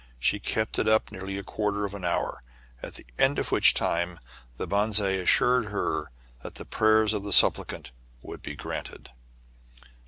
She kept it up nearly a quarter of an hour, at the end of which time the bonze assured her that the prayers of the supplicant would be granted.